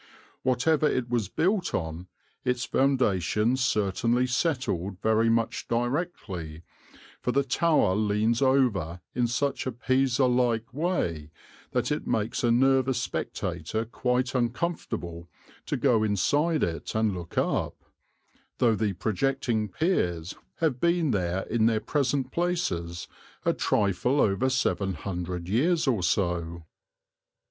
Whatever it was built on its foundations certainly settled very much directly, for the tower leans over in such a Pisa like way that it makes a nervous spectator quite uncomfortable to go inside it and look up, though the protecting piers have been there in their present places a trifle over seven hundred years or so."